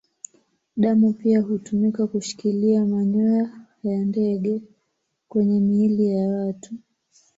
Damu pia hutumika kushikilia manyoya ya ndege kwenye miili ya watu.